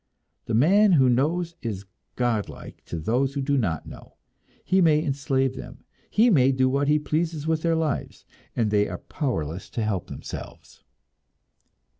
The man who knows is godlike to those who do not know; he may enslave them, he may do what he pleases with their lives, and they are powerless to help themselves.